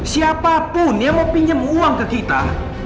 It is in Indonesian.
siapapun yang mau pinjam uang ke kita